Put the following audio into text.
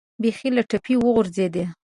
بیخي له ټپې وغورځېد.